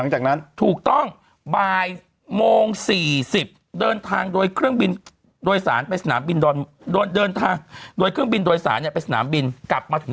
หลังจากนั้นถูกต้องบ่ายโมง๔๐เดินทางโดยเครื่องบินโดยสารไปสนามบินเดินทางโดยเครื่องบินโดยสารเนี่ยไปสนามบินกลับมาถึง